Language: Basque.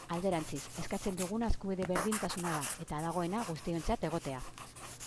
Alderantziz, eskatzen duguna eskubide berdintasuna da, eta dagoena, guztiontzat egotea.